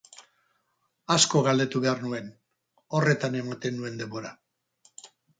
Asko galdetu behar nuen, horretan ematen nuen denbora.